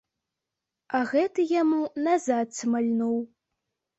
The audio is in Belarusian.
А гэты яму назад смальнуў.